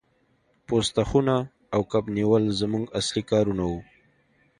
پوسته خونه او کب نیول زموږ اصلي کارونه وو